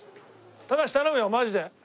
高橋頼むよマジで。